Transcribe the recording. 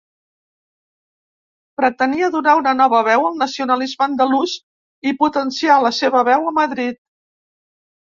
Pretenia donar una nova veu al nacionalisme andalús i potenciar la seva veu a Madrid.